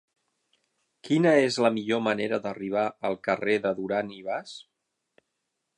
Quina és la millor manera d'arribar al carrer de Duran i Bas?